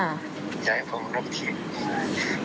อยากให้ผมรอบทิศ